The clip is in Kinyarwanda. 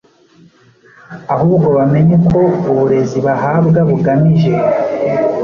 Ahubwo bamenye ko uburezi bahabwa bugamije